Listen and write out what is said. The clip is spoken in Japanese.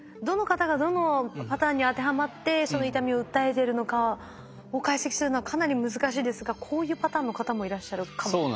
どの方がどのパターンに当てはまってその痛みを訴えてるのかを解析するのはかなり難しいですがこういうパターンの方もいらっしゃるかも。